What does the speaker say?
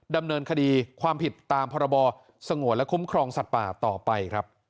ดำเนินคดีความผิดตามพรบสงวนและคุ้มครองสัตว์ป่าต่อไปครับ